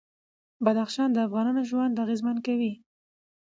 بدخشان د افغانانو ژوند اغېزمن کوي.